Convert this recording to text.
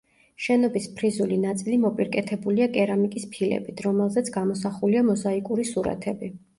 შენობის ფრიზული ნაწილი მოპირკეთებულია კერამიკის ფილებით, რომელზეც გამოსახულია მოზაიკური სურათები.